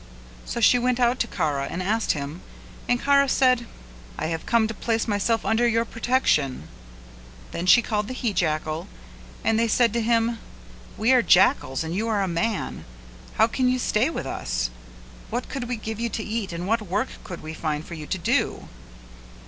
So she went out to Kara and asked him and Kara said "I have come to place myself under your protection;" then she called the he jackal and they said to him, "We are jackals and you are a man. How can you stay with us; what could we give you to eat and what work could we find for you to do?"